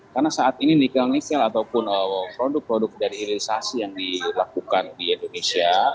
karena saat ini nikel nikel ataupun produk produk dari hilirisasi yang dilakukan di indonesia